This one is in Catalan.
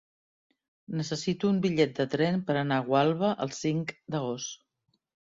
Necessito un bitllet de tren per anar a Gualba el cinc d'agost.